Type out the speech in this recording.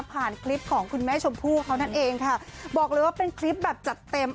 คลิปของคุณแม่ชมพู่เขานั่นเองค่ะบอกเลยว่าเป็นคลิปแบบจัดเต็ม